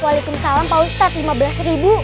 waalaikumsalam pak ustadz lima belas ribu